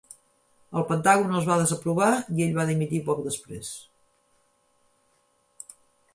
El Pentàgon els va desaprovar i ell va dimitir poc després.